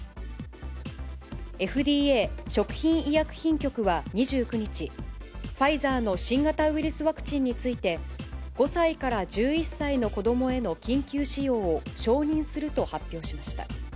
ＦＤＡ・食品医薬品局は２９日、ファイザーの新型ウイルスワクチンについて、５歳から１１歳の子どもへの緊急使用を承認すると発表しました。